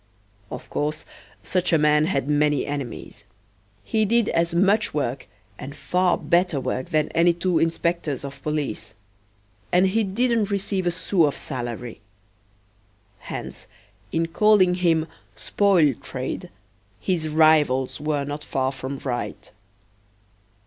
Of course, such a man had many enemies. He did as much work and far better work than any two inspectors of police; and he didn't receive a sou of salary. Hence, in calling him "spoil trade," his rivals were not far from right.